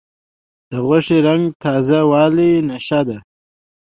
د غوښې رنګ د تازه والي نښه ده.